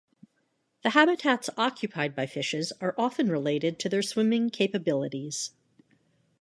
The habitats occupied by fishes are often related to their swimming capabilities.